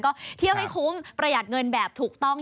ก็เที่ยวให้คุ้มประหยัดเงินแบบถูกต้อง